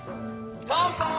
乾杯！